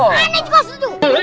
anda juga setuju